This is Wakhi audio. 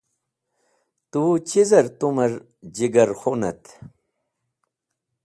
Tu chizer tumer jigarkhunet?”